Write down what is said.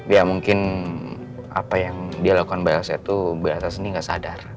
ya mungkin apa yang dia lakukan bayi elsa itu beratas ini gak sadar